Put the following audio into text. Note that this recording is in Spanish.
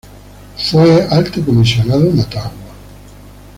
De a fue Alto Comisionado en Ottawa.